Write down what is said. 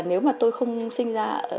nếu mà tôi không sinh ra